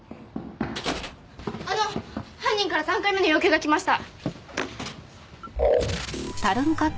あの犯人から３回目の要求がきました。